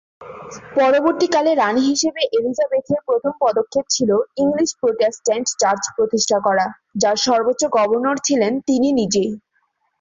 পরবর্তীকালে রানী হিসেবে এলিজাবেথের প্রথম পদক্ষেপ ছিল ইংলিশ প্রোটেস্ট্যান্ট চার্চ প্রতিষ্ঠা করা, যার সর্বোচ্চ গভর্নর ছিলেন তিনি নিজেই।